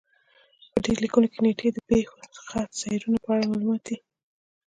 په ډبرلیکونو کې نېټې د پېښو خط سیرونو په اړه معلومات دي